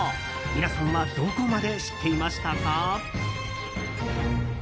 皆さんはどこまで知っていましたか？